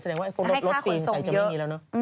แสดงว่าพวกรถฟีนใส่จะไม่มีแล้วเนอะ